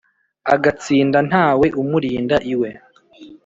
agatsinda ntawe umurinda iwe